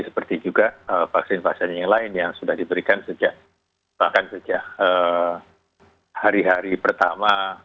seperti juga vaksin vaksin yang lain yang sudah diberikan sejak bahkan sejak hari hari pertama